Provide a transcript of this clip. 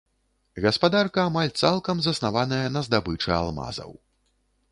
Гаспадарка амаль цалкам заснаваная на здабычы алмазаў.